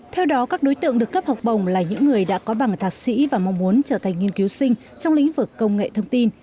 theo đó các đối tượng được cấp học bổng là những người đã có bằng thạc sĩ và mong muốn trở thành nghiên cứu sinh trong lĩnh vực công nghệ thông tin